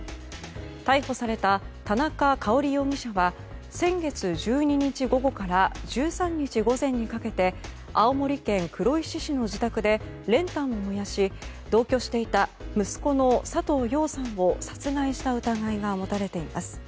逮捕された田中香織容疑者は先月１２日午後から１３日午前にかけて青森県黒石市の自宅で練炭を燃やし同居していた息子の佐藤揚さんを殺害した疑いが持たれています。